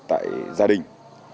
tại gia đình